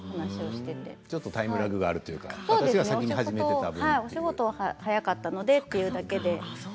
ちょっとタイムラグがあるお仕事が早かったのでということで。